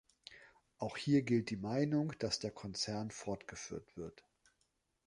Auch hier gilt die Meinung, dass der Konzern fortgeführt wird.